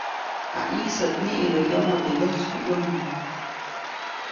Jayĩsät niʼibä yomoʼ teʼ yoskuʼyomo.